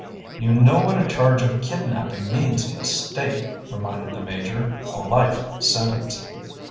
"You know what a charge of kidnapping means in this state," reminded the Major. "A life sentence."